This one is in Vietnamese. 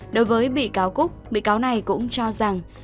đối với bị cáo cúc bị cáo này cũng cho rằng